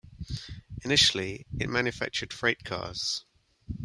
Initially it manufactured freight cars.